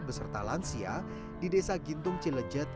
beserta lansia di desa gintung cilejet